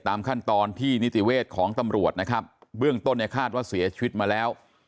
ตามขั้นตอนที่นิติเวชของตำรวจนะครับเบื้องต้นเนี่ยคาดว่าเสียชีวิตมาแล้ว